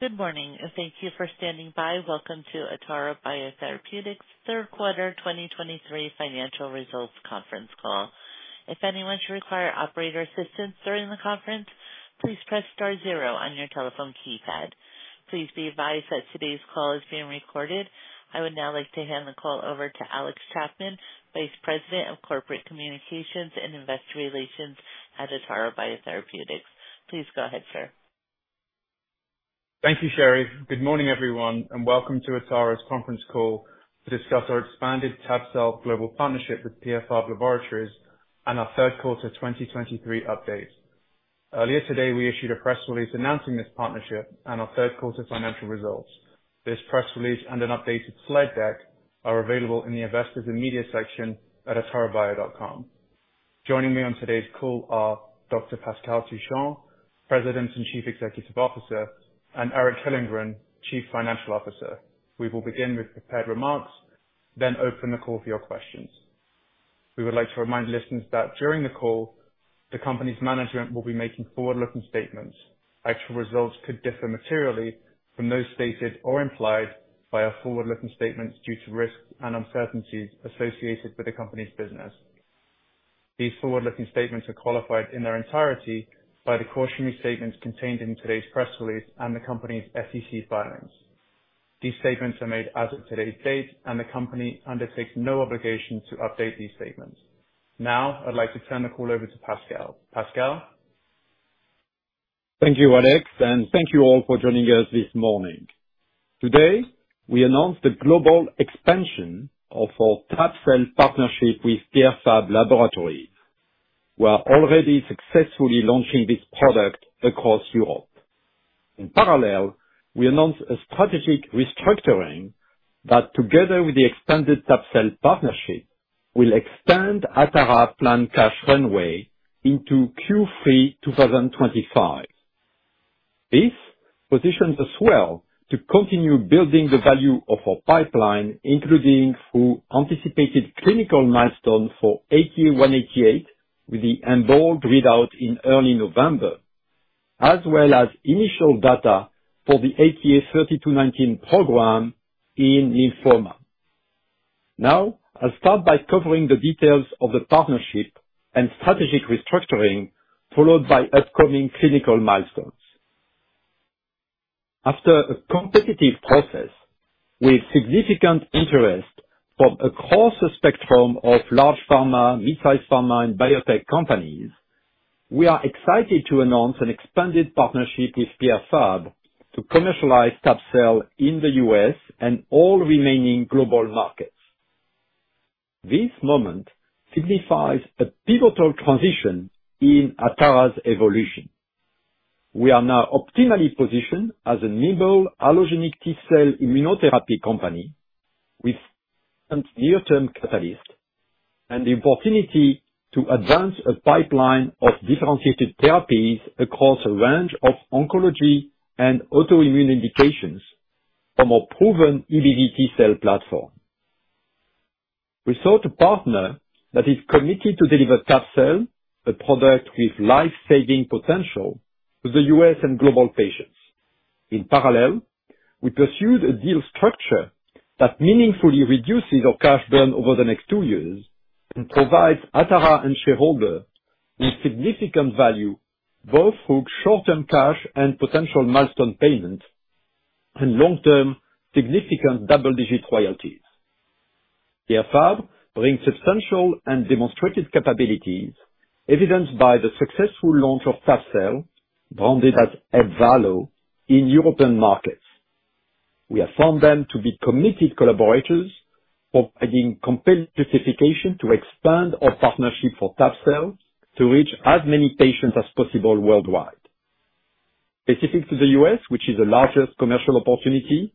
Good morning, and thank you for standing by. Welcome to Atara Biotherapeutics' third quarter 2023 financial results conference call. If anyone should require operator assistance during the conference, please press star zero on your telephone keypad. Please be advised that today's call is being recorded. I would now like to hand the call over to Alex Chapman, Vice President of Corporate Communications and Investor Relations at Atara Biotherapeutics. Please go ahead, sir. Thank you, Sherry. Good morning, everyone, and welcome to Atara's conference call to discuss our expanded tab-cel global partnership with Pierre Fabre Laboratories and our third quarter 2023 update. Earlier today, we issued a press release announcing this partnership and our third quarter financial results. This press release and an updated slide deck are available in the investors and media section at atarabio.com. Joining me on today's call are Dr. Pascal Touchon, President and Chief Executive Officer, and Eric Hyllengren, Chief Financial Officer. We will begin with prepared remarks, then open the call for your questions. We would like to remind listeners that during the call, the company's management will be making forward-looking statements. Actual results could differ materially from those stated or implied by our forward-looking statements due to risks and uncertainties associated with the company's business. These forward-looking statements are qualified in their entirety by the cautionary statements contained in today's press release and the company's SEC filings. These statements are made as of today's date, and the company undertakes no obligation to update these statements. Now, I'd like to turn the call over to Pascal. Pascal? Thank you, Alex, and thank you all for joining us this morning. Today, we announce the global expansion of our tab-cel partnership with Pierre Fabre Laboratories. We are already successfully launching this product across Europe. In parallel, we announce a strategic restructuring that, together with the expanded tab-cel partnership, will extend Atara's planned cash runway into Q3 2025. This positions us well to continue building the value of our pipeline, including through anticipated clinical milestones for ATA188, with the interim readout in early November, as well as initial data for the ATA3219 program in lymphoma. Now, I'll start by covering the details of the partnership and strategic restructuring, followed by upcoming clinical milestones. After a competitive process with significant interest from across the spectrum of large pharma, mid-size pharma, and biotech companies, we are excited to announce an expanded partnership with Pierre Fabre to commercialize tab-cel in the U.S. and all remaining global markets. This moment signifies a pivotal transition in Atara's evolution. We are now optimally positioned as a nimble allogeneic T-cell immunotherapy company with some near-term catalyst and the opportunity to advance a pipeline of differentiated therapies across a range of oncology and autoimmune indications from a proven EBV T-cell platform. We sought a partner that is committed to deliver tab-cel, a product with life-saving potential, to the U.S. and global patients. In parallel, we pursued a deal structure that meaningfully reduces our cash burn over the next two years and provides Atara and shareholders with significant value, both through short-term cash and potential milestone payments, and long-term, significant double-digit royalties. Pierre Fabre brings substantial and demonstrated capabilities, evidenced by the successful launch of tab-cel, branded as EBVALLO, in European markets. We have found them to be committed collaborators for providing compelling justification to expand our partnership for tab-cel to reach as many patients as possible worldwide. Specific to the U.S., which is the largest commercial opportunity,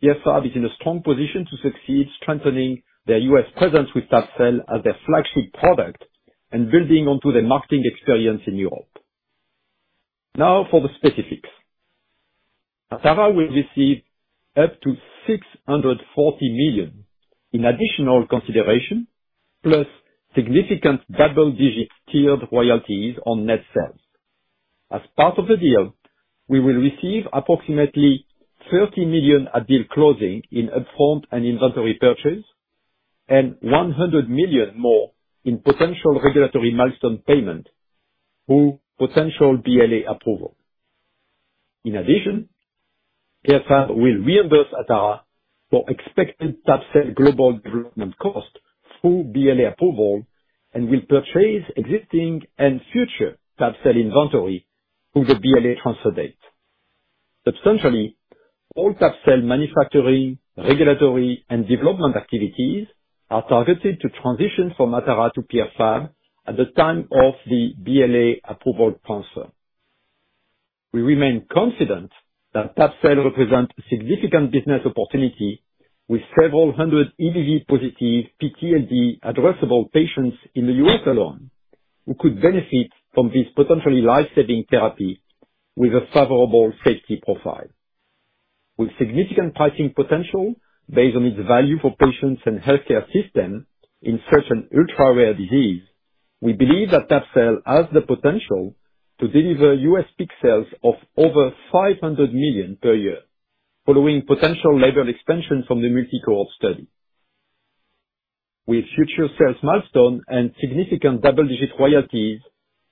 Pierre Fabre is in a strong position to succeed, strengthening their U.S. presence with tab-cel as their flagship product and building onto their marketing experience in Europe. Now, for the specifics. Atara will receive up to $640 million in additional consideration, plus significant double-digit tiered royalties on net sales. As part of the deal, we will receive approximately $30 million at deal closing in upfront and inventory purchase, and $100 million more in potential regulatory milestone payment through potential BLA approval. In addition, PFP will reimburse Atara for expected tab-cel global development costs through BLA approval and will purchase existing and future tab-cel inventory through the BLA transfer date. Substantially all tab-cel manufacturing, regulatory, and development activities are targeted to transition from Atara to PFP at the time of the BLA approval transfer. We remain confident that tab-cel represents a significant business opportunity with several hundred EBV-positive PTLD addressable patients in the U.S. alone, who could benefit from this potentially life-saving therapy with a favorable safety profile.... With significant pricing potential based on its value for patients and healthcare system in such an ultra-rare disease, we believe that tab-cel has the potential to deliver U.S. peak sales of over $500 million per year, following potential label expansion from the multi-cohort study. With future sales milestone and significant double-digit royalties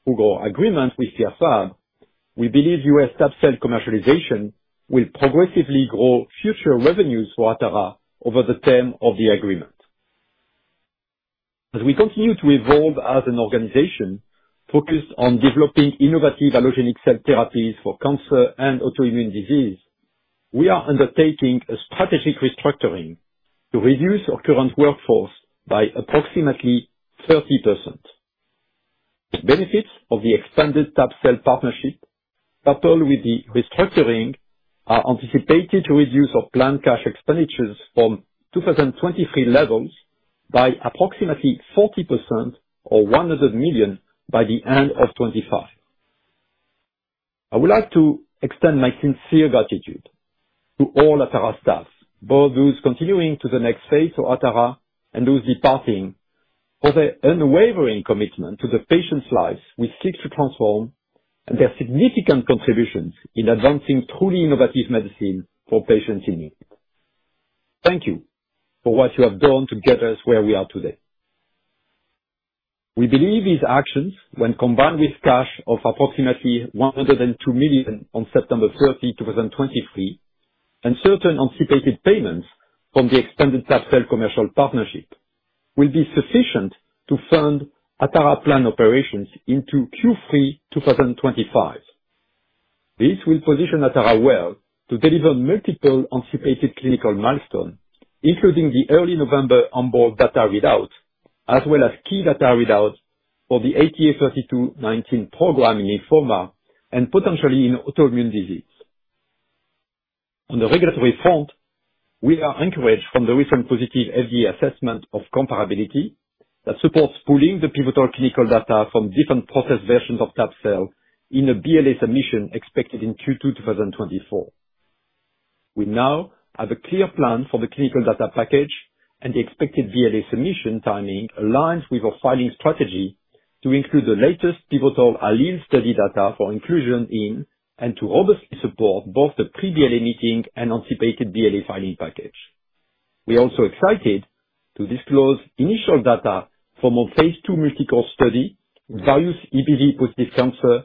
through our agreement with Pierre Fabre, we believe U.S. tab-cel commercialization will progressively grow future revenues for Atara over the term of the agreement. As we continue to evolve as an organization focused on developing innovative allogeneic cell therapies for cancer and autoimmune disease, we are undertaking a strategic restructuring to reduce our current workforce by approximately 30%. The benefits of the expanded tab-cel partnership, coupled with the restructuring, are anticipated to reduce our planned cash expenditures from 2023 levels by approximately 40% or $100 million by the end of 2025. I would like to extend my sincere gratitude to all Atara staff, both those continuing to the next phase of Atara and those departing, for their unwavering commitment to the patients' lives we seek to transform, and their significant contributions in advancing truly innovative medicine for patients in need. Thank you for what you have done to get us where we are today. We believe these actions, when combined with cash of approximately $102 million on September 30, 2023, and certain anticipated payments from the extended tab-cel commercial partnership, will be sufficient to fund Atara planned operations into Q3 2025. This will position Atara well to deliver multiple anticipated clinical milestones, including the early November EMBOLD data readouts, as well as key data readouts for the ATA3219 program in lymphoma, and potentially in autoimmune disease. On the regulatory front, we are encouraged from the recent positive FDA assessment of comparability, that supports pooling the pivotal clinical data from different process versions of tab-cel in a BLA submission expected in Q2 2024. We now have a clear plan for the clinical data package, and the expected BLA submission timing aligns with our filing strategy to include the latest pivotal ALLELE study data for inclusion in, and to obviously support both the pre-BLA meeting and anticipated BLA filing package. We are also excited to disclose initial data from our phase II multi-cohort study, various EBV-positive cancers,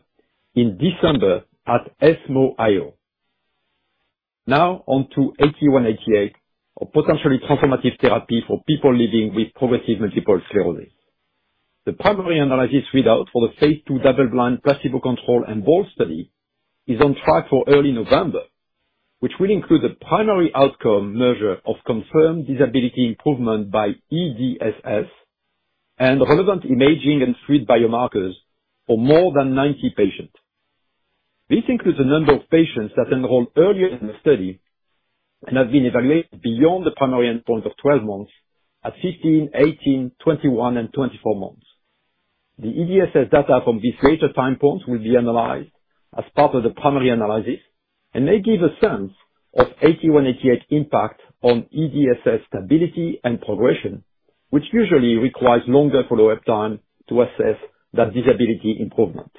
in December at ESMO IO. Now on to ATA188, a potentially transformative therapy for people living with progressive multiple sclerosis. The primary analysis readout for the phase II double-blind, placebo-controlled EMBOLD study is on track for early November, which will include the primary outcome measure of confirmed disability improvement by EDSS, and relevant imaging and fluid biomarkers for more than 90 patients. This includes a number of patients that enrolled earlier in the study, and have been evaluated beyond the primary endpoint of 12 months at 15, 18, 21, and 24 months. The EDSS data from these later time points will be analyzed as part of the primary analysis, and may give a sense of ATA188 impact on EDSS stability and progression, which usually requires longer follow-up time to assess that disability improvement.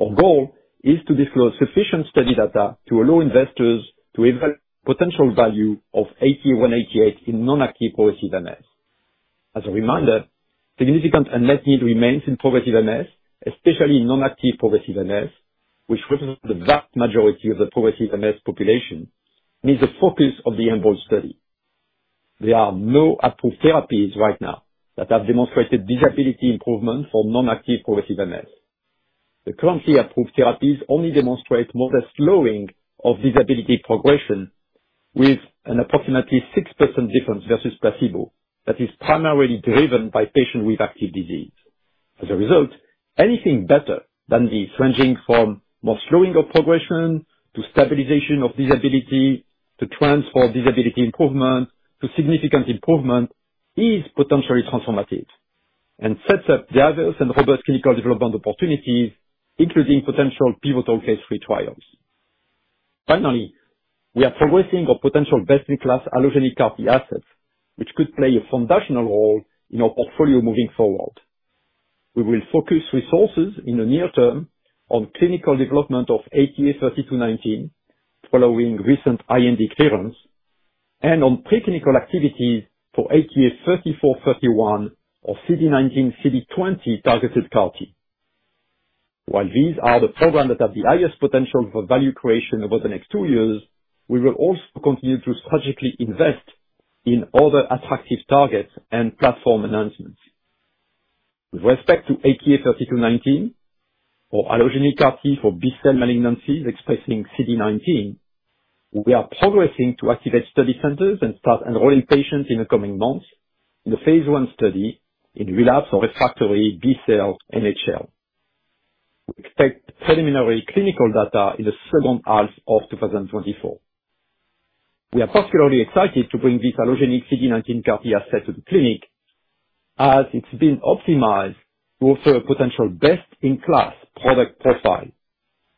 Our goal is to disclose sufficient study data to allow investors to evaluate potential value of ATA188 in non-active progressive MS. As a reminder, significant unmet need remains in progressive MS, especially non-active progressive MS, which represents the vast majority of the progressive MS population, and is the focus of the EMBOLD study. There are no approved therapies right now that have demonstrated disability improvement for non-active progressive MS. The currently approved therapies only demonstrate modest slowing of disability progression, with an approximately 6% difference versus placebo, that is primarily driven by patients with active disease. As a result, anything better than the ranging from more slowing of progression, to stabilization of disability, to transform disability improvement, to significant improvement, is potentially transformative, and sets up the other and robust clinical development opportunities, including potential pivotal phase III trials. Finally, we are progressing our potential best-in-class allogeneic CAR-T assets, which could play a foundational role in our portfolio moving forward. We will focus resources in the near term on clinical development of ATA3219, following recent IND clearance, and on pre-clinical activities for ATA3431, or CD19/CD20-targeted CAR-T. While these are the programs that have the highest potential for value creation over the next two years, we will also continue to strategically invest in other attractive targets and platform enhancements. With respect to ATA3219, or allogeneic CAR-T for B-cell malignancies expressing CD19, we are progressing to activate study centers and start enrolling patients in the coming months in the phase 1 study in relapse or refractory B-cell NHL. We expect preliminary clinical data in the second half of 2024. We are particularly excited to bring this allogeneic CD19 CAR-T asset to the clinic as it's been optimized to offer a potential best-in-class product profile,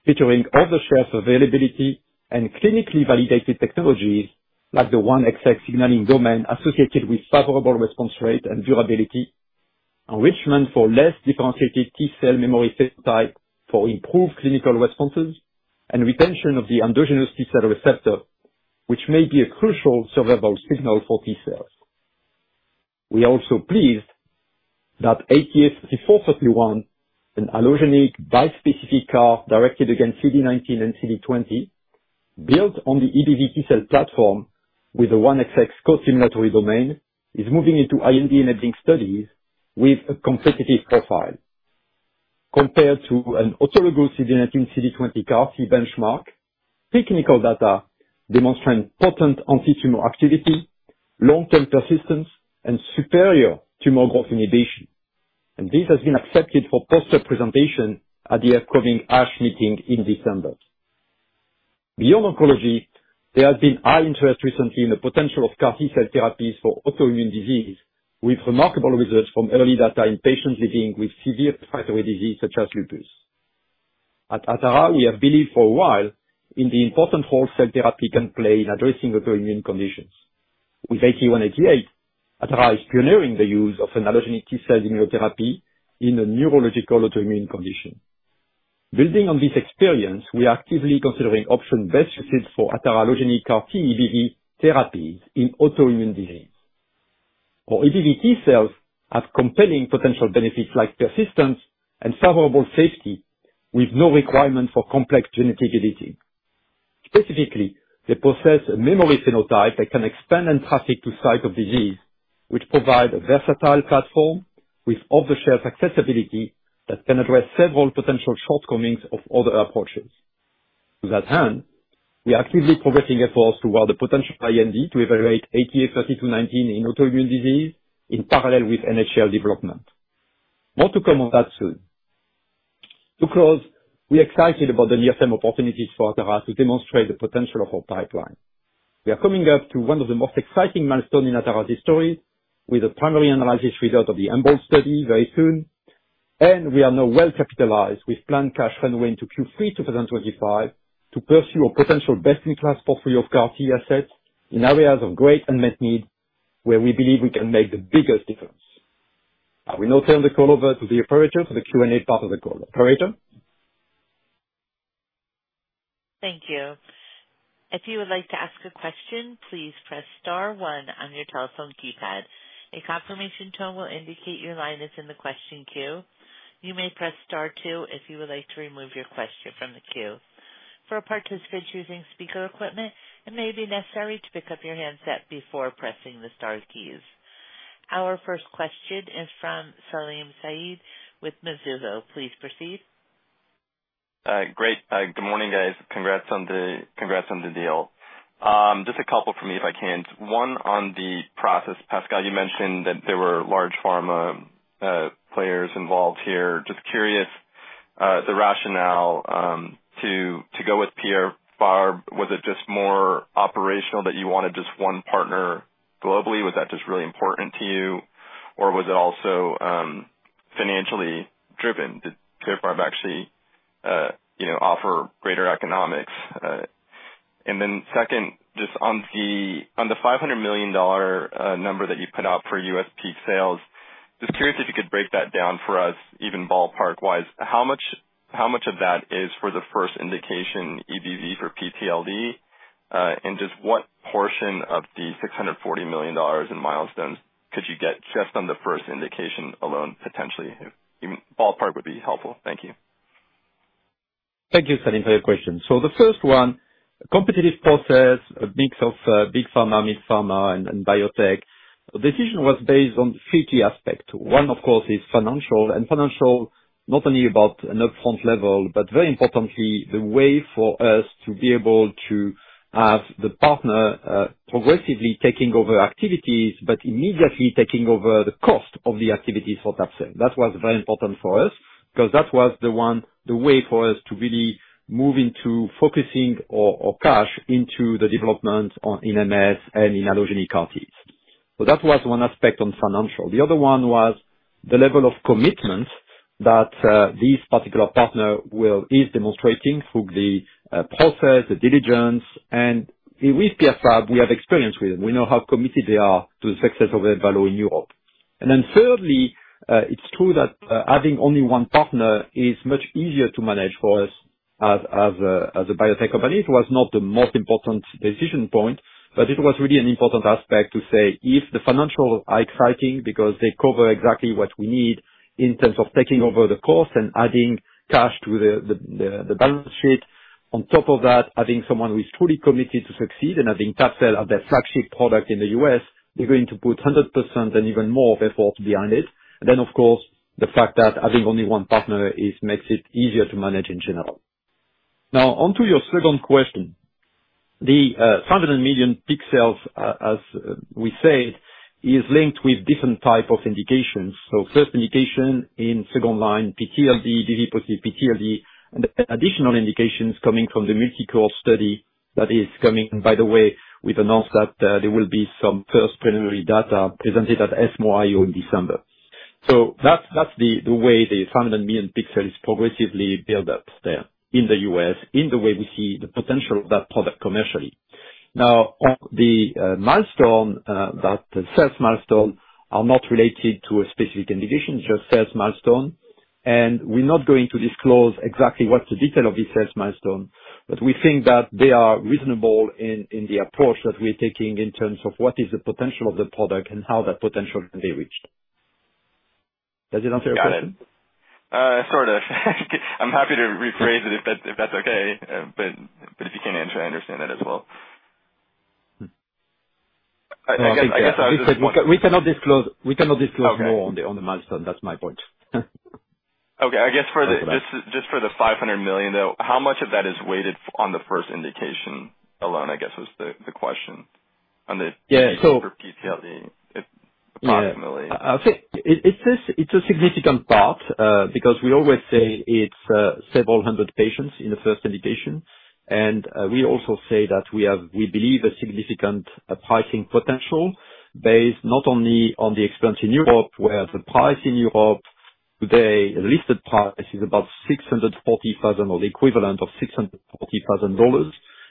featuring off-the-shelf availability and clinically validated technologies, like the 1XX signaling domain associated with favorable response rate and durability, enrichment for less differentiated T cell memory phenotype for improved clinical responses, and retention of the endogenous T cell receptor, which may be a crucial survival signal for T cells. We are also pleased that ATA3431, an allogeneic bispecific CAR directed against CD19 and CD20, built on the EBV T-cell platform with a 1XX co-stimulatory domain, is moving into IND-enabling studies with a competitive profile. Compared to an autologous CD19/CD20 CAR-T benchmark, pre-clinical data demonstrating potent anti-tumor activity, long-term persistence, and superior tumor growth inhibition. This has been accepted for poster presentation at the upcoming ASH meeting in December. Beyond oncology, there has been high interest recently in the potential of CAR T cell therapies for autoimmune disease, with remarkable results from early data in patients living with severe thyroid disease, such as lupus. Atara, we have believed for a while in the important role cell therapy can play in addressing autoimmune conditions. With ATA188, Atara is pioneering the use of an allogeneic T-cell immunotherapy in a neurological autoimmune condition. Building on this experience, we are actively considering option best suited for Atara allogeneic CAR T EBV therapies in autoimmune disease. Our EBV T-cells have compelling potential benefits like persistence and favorable safety, with no requirement for complex genetic editing. Specifically, they possess a memory phenotype that can expand and traffic to site of disease, which provide a versatile platform with off-the-shelf accessibility, that can address several potential shortcomings of other approaches. To that end, we are actively progressing efforts toward a potential IND to evaluate ATA3219 in autoimmune disease, in parallel with NHL development. More to come on that soon. To close, we're excited about the near-term opportunities for Atara to demonstrate the potential of our pipeline. We are coming up to one of the most exciting milestone in Atara's history, with the primary analysis result of the EMBOLD study very soon. We are now well-capitalized, with planned cash runway into Q3 2025, to pursue a potential best-in-class portfolio of CAR T assets in areas of great unmet need, where we believe we can make the biggest difference. I will now turn the call over to the operator for the Q&A part of the call. Operator? Thank you. If you would like to ask a question, please press star one on your telephone keypad. A confirmation tone will indicate your line is in the question queue. You may press star two if you would like to remove your question from the queue. For participants using speaker equipment, it may be necessary to pick up your handset before pressing the star keys. Our first question is from Salim Syed with Mizuho. Please proceed. Great. Good morning, guys. Congrats on the deal. Just a couple from me, if I can. One, on the process, Pascal, you mentioned that there were large pharma players involved here. Just curious, the rationale to go with Pierre Fabre, was it just more operational that you wanted just one partner globally? Was that just really important to you, or was it also financially driven? Did Pierre Fabre actually, you know, offer greater economics? And then second, just on the $500 million number that you put out for US peak sales, just curious if you could break that down for us, even ballpark-wise. How much of that is for the first indication EBV for PTLD? Just what portion of the $640 million in milestones could you get just on the first indication alone, potentially? Even ballpark would be helpful. Thank you. Thank you, Salim, for your question. So the first one, competitive process, a mix of big pharma, mid pharma, and biotech. The decision was based on three key aspects. One, of course, is financial, and financial, not only about an upfront level, but very importantly, the way for us to be able to have the partner progressively taking over activities, but immediately taking over the cost of the activities for that sale. That was very important for us, because that was the way for us to really move into focusing on cash into the development on MS and in allogeneic CAR-Ts. So that was one aspect on financial. The other one was the level of commitment that this particular partner is demonstrating through the process, the diligence. And with Pierre Fabre, we have experience with them. We know how committed they are to the success of their value in Europe. And then thirdly, it's true that, having only one partner is much easier to manage for us as, as a, as a biotech company. It was not the most important decision point, but it was really an important aspect to say, if the financial are exciting, because they cover exactly what we need in terms of taking over the cost and adding cash to the balance sheet. On top of that, having someone who is truly committed to succeed in having that sale of their flagship product in the US, they're going to put 100% and even more of effort behind it. And then, of course, the fact that having only one partner makes it easier to manage in general. Now, on to your second question. The $500 million peak sales, as we said, is linked with different type of indications. So first indication in second line, PTLD, and additional indications coming from the multi-cohort study, that is coming, by the way, we've announced that there will be some first preliminary data presented at ESMO IO in December. So that's the way the $500 million peak sales progressively build up there, in the US, in the way we see the potential of that product commercially. Now, on the milestone, that sales milestone, are not related to a specific indication, just sales milestone. And we're not going to disclose exactly what the detail of this sales milestone, but we think that they are reasonable in the approach that we're taking, in terms of what is the potential of the product and how that potential can be reached. Does it answer your question? Got it. Sort of. I'm happy to rephrase it, if that, if that's okay. But if you can't answer, I understand that as well. Hmm. I guess- We cannot disclose more. Okay. On the milestone. That's my point. Okay, I guess for the- Okay. Just for the $500 million, though, how much of that is weighted on the first indication alone? I guess is the question. On the- Yeah, so- For PTLD, approximately. Yeah. I'll say it, it's a, it's a significant part, because we always say it's several hundred patients in the first indication. We also say that we have, we believe, a significant pricing potential, based not only on the experience in Europe, where the price in Europe today, the listed price, is about €640,000, or the equivalent of $640,000.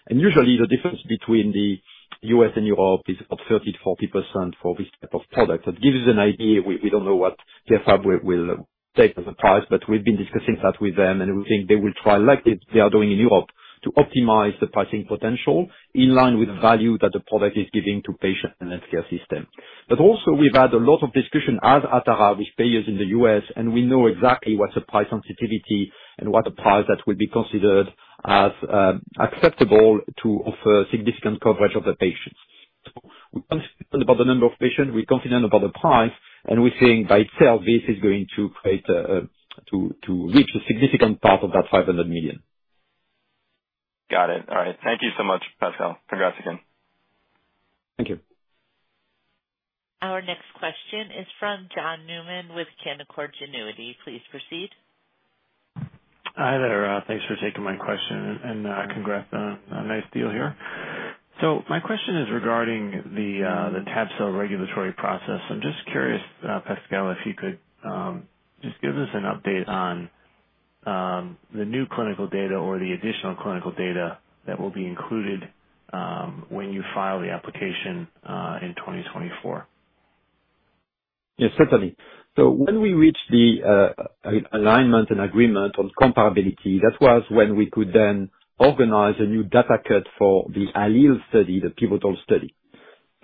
Usually, the difference between the US and Europe is about 30%-40% for this type of product. That gives you an idea. We don't know what Fabre will take as a price, but we've been discussing that with them, and we think they will try, like they are doing in Europe, to optimize the pricing potential, in line with the value that the product is giving to patients and healthcare system. But also, we've had a lot of discussion, as Atara, with payers in the U.S., and we know exactly what's the price sensitivity, and what the price that will be considered as acceptable to offer significant coverage of the patients. So we're confident about the number of patients, we're confident about the price, and we're seeing, by itself, this is going to create to reach a significant part of that $500 million. Got it. All right. Thank you so much, Pascal. Congrats again. Thank you. Our next question is from John Newman, with Canaccord Genuity. Please proceed. Hi there, thanks for taking my question, and congrats on a nice deal here. So my question is regarding the tab-cel regulatory process. I'm just curious, Pascal, if you could just give us an update on the new clinical data or the additional clinical data that will be included when you file the application in 2024. Yes, certainly. So when we reached the alignment and agreement on comparability, that was when we could then organize a new data cut for the ALLELE study, the pivotal study.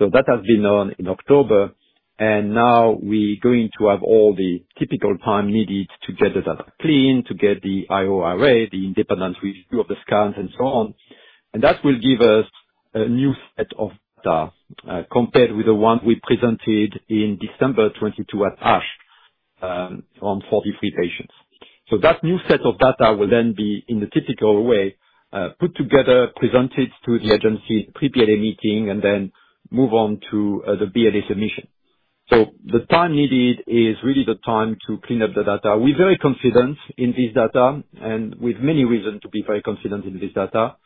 So that has been done in October, and now we're going to have all the typical time needed to get the data clean, to get the IRO, the independent review of the scans, and so on. And that will give us a new set of data compared with the one we presented in December 2020 at ASH on 43 patients. So that new set of data will then be, in the typical way, put together, presented to the agency, pre-BLA meeting, and then move on to the BLA submission. So the time needed is really the time to clean up the data. We're very confident in this data, and we've many reasons to be very confident in this data.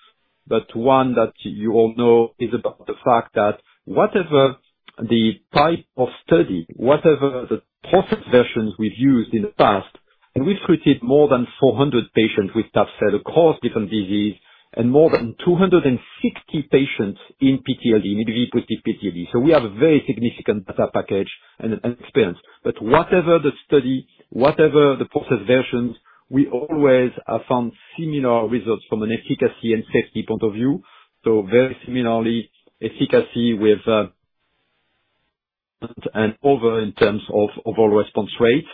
But one that you all know is about the fact that whatever the type of study, whatever the process versions we've used in the past, and we've treated more than 400 patients with tab-cel, across different disease, and more than 260 patients in PTLD, in repeat PTLD. So we have a very significant data package and experience. But whatever the study, whatever the process versions, we always found similar results from an efficacy and safety point of view. So very similarly, efficacy with and over, in terms of overall response rate,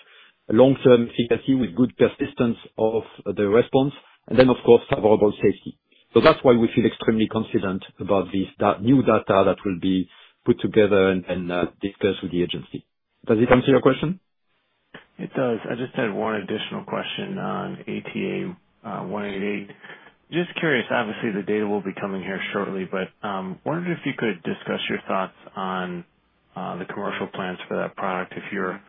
long-term efficacy with good persistence of the response, and then, of course, favorable safety. That's why we feel extremely confident about this new data that will be put together and discussed with the agency. Does it answer your question? It does. I just had one additional question on ATA188. Just curious, obviously, the data will be coming here shortly, but, wondered if you could discuss your thoughts on, the commercial plans for that product, if you're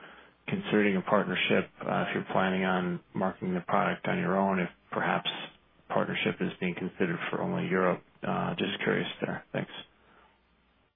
considering a partnership, if you're planning on marketing the product on your own, if perhaps partnership is being considered for only Europe. Just curious there. Thanks.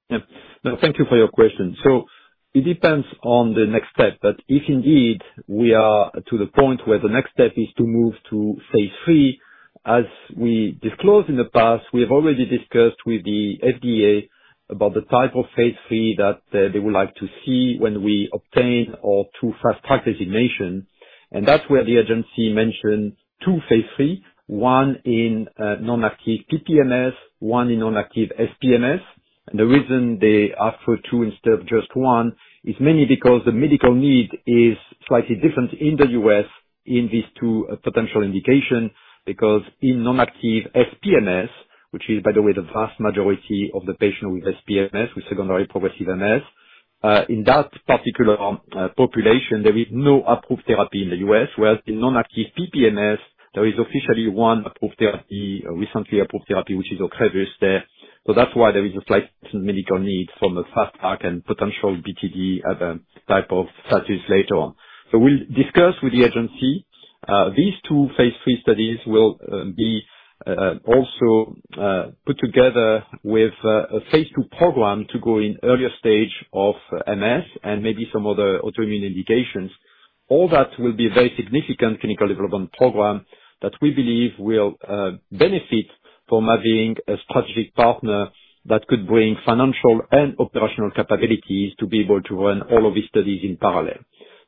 Yep. No, thank you for your question. So, it depends on the next step, but if indeed we are to the point where the next step is to move to phase III, as we disclosed in the past, we have already discussed with the FDA about the type of phase III that they would like to see when we obtain our 2 fast track designation. And that's where the agency mentioned two phase III, one in non-active PPMS, one in non-active SPMS. And the reason they asked for two instead of just one, is mainly because the medical need is slightly different in the U.S., in these two potential indications. Because in non-active SPMS, which is, by the way, the vast majority of the patient with SPMS, with secondary progressive MS. In that particular population, there is no approved therapy in the U.S. Whereas in non-active PPMS, there is officially one approved therapy, recently approved therapy, which is Ocrevus there. So that's why there is a slight medical need from a fast track and potential BTD as a type of status later on. So we'll discuss with the agency... These two phase III studies will be also put together with a phase II program to go in earlier stage of MS, and maybe some other autoimmune indications. All that will be a very significant clinical development program, that we believe will benefit from having a strategic partner that could bring financial and operational capabilities, to be able to run all of these studies in parallel.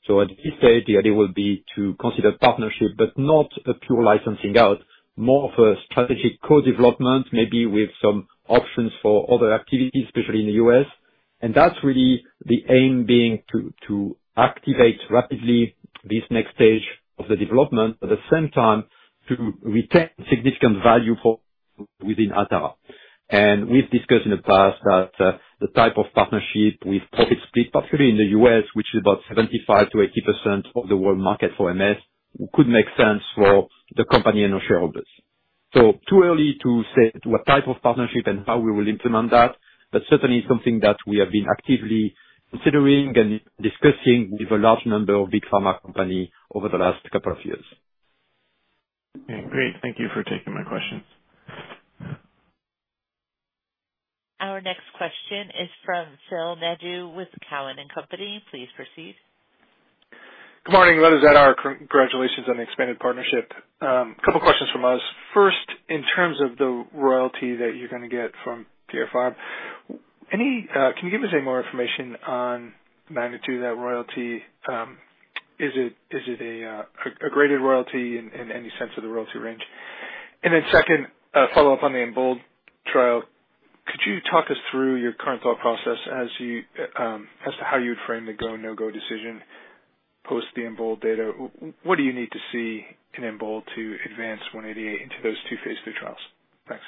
So at this stage, the idea will be to consider partnership, but not a pure licensing out, more of a strategic co-development, maybe with some options for other activities, especially in the U.S. And that's really the aim, being to activate rapidly this next stage of the development, at the same time, to retain significant value for within Atara. And we've discussed in the past that the type of partnership with profits split, particularly in the U.S., which is about 75%-80% of the world market for MS, could make sense for the company and our shareholders. So, too early to say to what type of partnership and how we will implement that, but certainly something that we have been actively considering and discussing with a large number of big pharma company over the last couple of years. Okay, great. Thank you for taking my questions. Our next question is from Phil Nadeau with Cowen and Company. Please proceed. Good morning, ladies. Congratulations on the expanded partnership. Couple questions from us. First, in terms of the royalty that you're gonna get from Tier 5, can you give us any more information on the magnitude of that royalty? Is it a graded royalty in any sense of the royalty range? Then second, a follow-up on the EMBOLD trial. Could you talk us through your current thought process as you, as to how you would frame the go, no-go decision post the EMBOLD data? What do you need to see in EMBOLD to advance 188 into those two phase III trials? Thanks.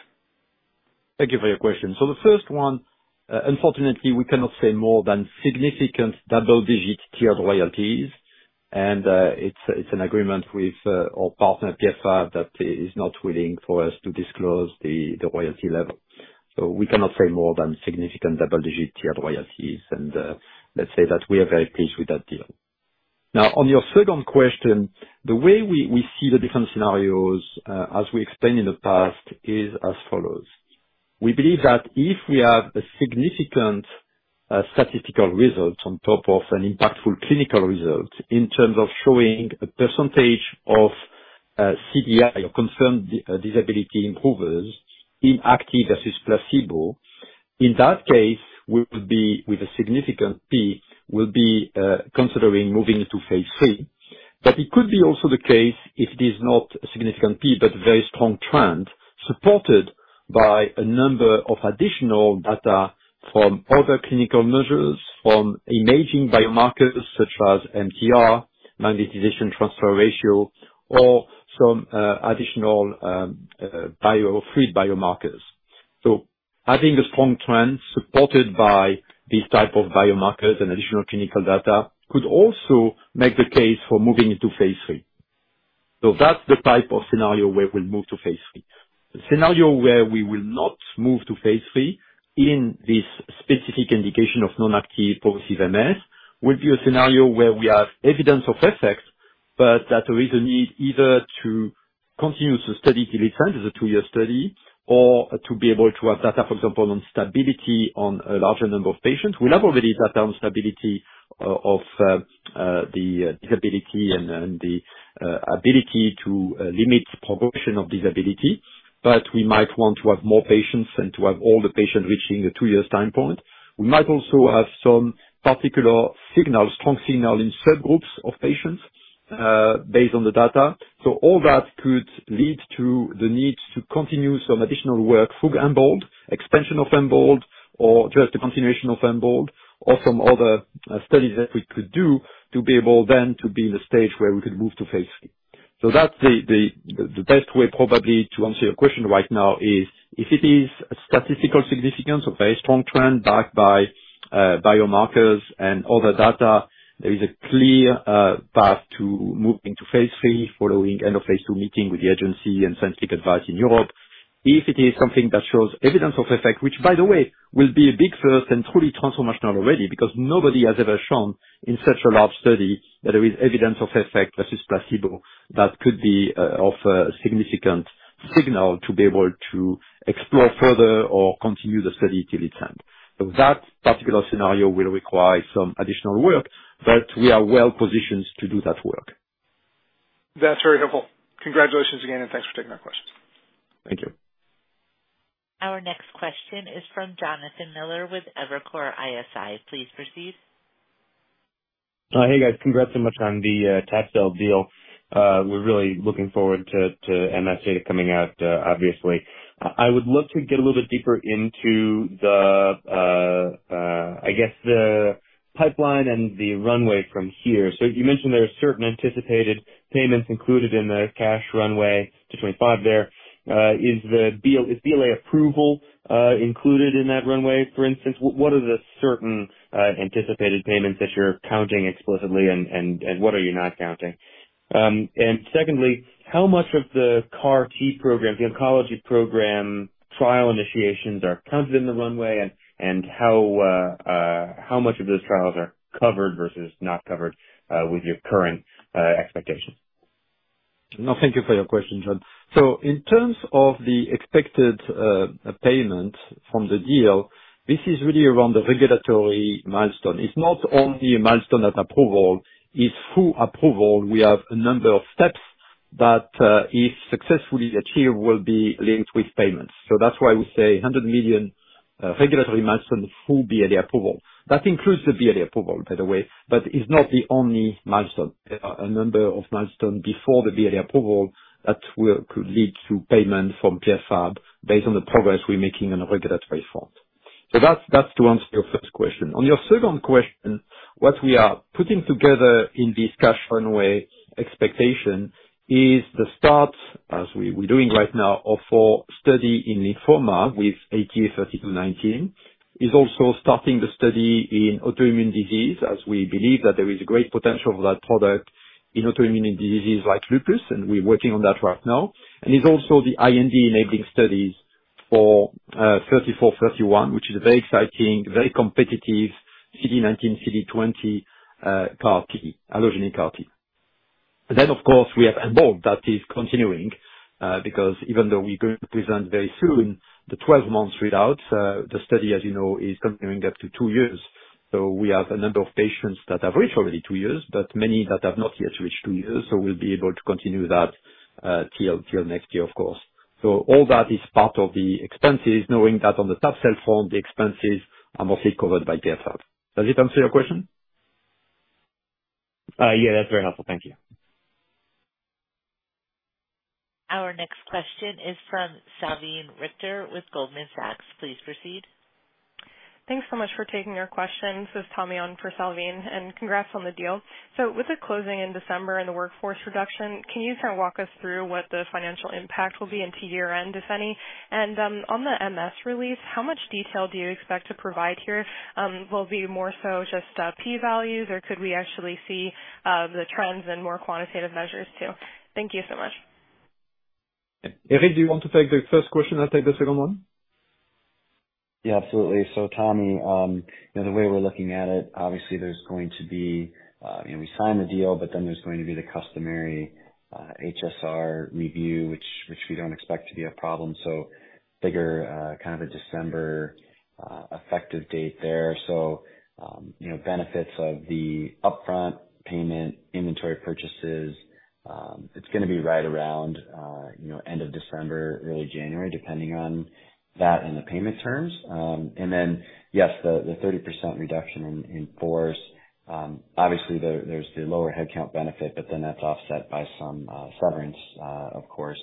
Thank you for your question. So the first one, unfortunately, we cannot say more than significant double-digit tiered royalties. And, it's an agreement with our partner, Pierre Fabre, that is not willing for us to disclose the royalty level. So we cannot say more than significant double-digit tiered royalties, and let's say that we are very pleased with that deal. Now, on your second question, the way we see the different scenarios, as we explained in the past, is as follows: We believe that if we have a significant statistical result on top of an impactful clinical result, in terms of showing a percentage of CDI or confirmed disability improvers, in active versus placebo, in that case, we would be with a significant P, will be considering moving into phase III. But it could be also the case, if it is not a significant P, but very strong trend, supported by a number of additional data from other clinical measures, from imaging biomarkers such as MTR, magnetization transfer ratio, or some additional bio-fluid biomarkers. So having a strong trend supported by these type of biomarkers and additional clinical data, could also make the case for moving into phase III. So that's the type of scenario where we'll move to phase III. The scenario where we will not move to phase III, in this specific indication of non-active progressive MS, will be a scenario where we have evidence of effect, but that we either need either to continue to study till it ends, it's a two-year study, or to be able to have data, for example, on stability on a larger number of patients. We have already data on stability of the disability and the ability to limit progression of disability, but we might want to have more patients, and to have all the patients reaching the two-year time point. We might also have some particular signals, strong signal in subgroups of patients based on the data. So all that could lead to the need to continue some additional work through EMBOLD, expansion of EMBOLD, or just a continuation of EMBOLD, or some other studies that we could do, to be able then to be in the stage where we could move to phase III. So that's the best way probably to answer your question right now is, if it is statistical significance or very strong trend backed by biomarkers and other data, there is a clear path to moving to phase III, following end of phase II meeting with the agency and scientific advice in Europe. If it is something that shows evidence of effect, which by the way, will be a big first and truly transformational already, because nobody has ever shown, in such a large study, that there is evidence of effect versus placebo, that could be of a significant signal to be able to explore further or continue the study till its end. So that particular scenario will require some additional work, but we are well positioned to do that work. That's very helpful. Congratulations again, and thanks for taking our questions. Thank you. Our next question is from Jonathan Miller with Evercore ISI. Please proceed. Hey, guys. Congrats so much on the tab-cel deal. We're really looking forward to MS data coming out, obviously. I would look to get a little bit deeper into the, I guess, the pipeline and the runway from here. So you mentioned there are certain anticipated payments included in the cash runway to 2025 there. Is the BLA approval included in that runway, for instance? What are the certain anticipated payments that you're counting explicitly, and what are you not counting? And secondly, how much of the CAR T program, the oncology program trial initiations, are counted in the runway? And how much of those trials are covered versus not covered with your current expectations? No, thank you for your question, John. So in terms of the expected payment from the deal, this is really around the regulatory milestone. It's not only a milestone at approval, it's full approval. We have a number of steps that, if successfully achieved, will be linked with payments. So that's why we say $100 million regulatory milestone, full BLA approval. That includes the BLA approval, by the way, but it's not the only milestone. There are a number of milestone before the BLA approval that will, could lead to payment from Pierre Fabre, based on the progress we're making on a regulatory front. So that's, that's to answer your first question. On your second question, what we are putting together in this cash runway expectation is the start, as we're doing right now, of for study in lymphoma with ATA3219, is also starting the study in autoimmune disease, as we believe that there is a great potential for that product in autoimmune diseases like lupus, and we're working on that right now. And it's also the IND-enabling studies for 3431, which is a very exciting, very competitive CD19, CD20 CAR T, allogeneic CAR T. Then, of course, we have involved, that is continuing, because even though we're going to present very soon, the 12 months readouts, the study, as you know, is continuing up to 2 years. So we have a number of patients that have reached already two years, but many that have not yet reached two years, so we'll be able to continue that till next year, of course. So all that is part of the expenses, knowing that on the Tab-cel form, the expenses are mostly covered by Pierre Fabre. Does it answer your question? Yeah, that's very helpful. Thank you. Our next question is from Salveen Richter with Goldman Sachs. Please proceed. Thanks so much for taking our questions. This is Tommy on for Salveen, and congrats on the deal. So with the closing in December and the workforce reduction, can you kind of walk us through what the financial impact will be into year-end, if any? And on the MS release, how much detail do you expect to provide here? Will it be more so just P values, or could we actually see the trends and more quantitative measures, too? Thank you so much. Eric, do you want to take the first question? I'll take the second one. Yeah, absolutely. So Tommy, you know, the way we're looking at it, obviously there's going to be... You know, we signed the deal, but then there's going to be the customary HSR review, which we don't expect to be a problem, so bigger kind of a December effective date there. So, you know, benefits of the upfront payment, inventory purchases, it's gonna be right around, you know, end of December, early January, depending on that and the payment terms. And then, yes, the 30% reduction in force, obviously there, there's the lower headcount benefit, but then that's offset by some severance, of course,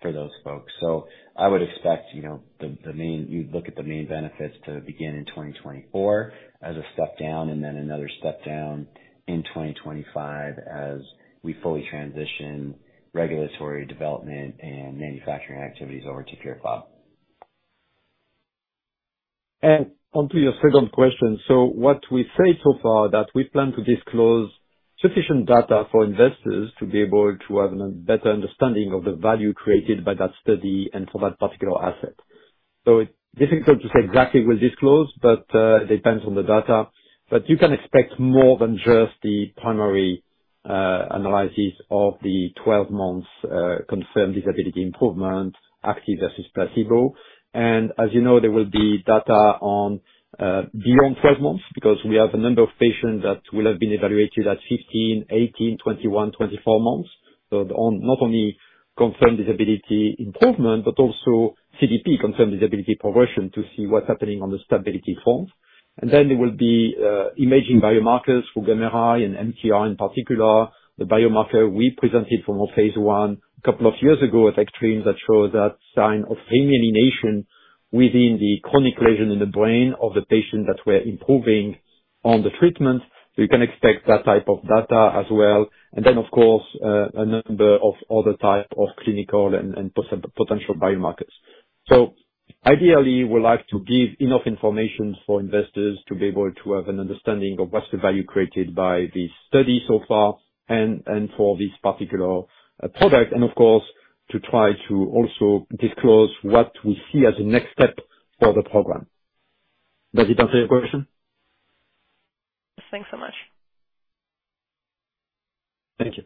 for those folks. So I would expect, you know, the main benefits to begin in 2024 as a step down, and then another step down in 2025, as we fully transition regulatory development and manufacturing activities over to Pierre Fabre. Onto your second question. So what we say so far, that we plan to disclose sufficient data for investors to be able to have a better understanding of the value created by that study and for that particular asset. So it's difficult to say exactly we disclose, but it depends on the data. But you can expect more than just the primary analysis of the 12 months confirmed disability improvement, active versus placebo. And as you know, there will be data on beyond 12 months, because we have a number of patients that will have been evaluated at 15, 18, 21, 24 months. So on not only confirmed disability improvement, but also CDP, confirmed disability progression, to see what's happening on the stability front. And then there will be imaging biomarkers for gamma HI and MTR in particular. The biomarker we presented from our phase I a couple of years ago, with X-rays that show that sign of remyelination within the chronic lesion in the brain of the patient that we're improving on the treatment. So you can expect that type of data as well. And then, of course, a number of other type of clinical and potential biomarkers. So ideally, we'd like to give enough information for investors to be able to have an understanding of what's the value created by the study so far, and for this particular product, and of course, to try to also disclose what we see as the next step for the program. Does it answer your question? Thanks so much. Thank you.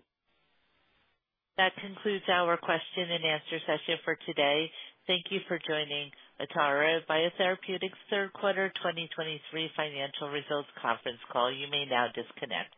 That concludes our question and answer session for today. Thank you for joining Atara Biotherapeutics' third quarter 2023 financial results conference call. You may now disconnect.